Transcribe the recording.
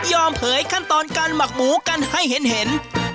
เผยขั้นตอนการหมักหมูกันให้เห็น